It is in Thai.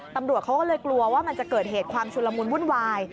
ตำรวจเขาก็เลยกลัวว่ามันจะเกิดเหตุความชุลมุนวุ่นวาย